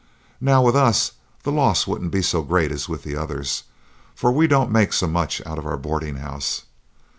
Now, with us the loss wouldn't be so great as with the others, for we don't make so much out of our boarding house.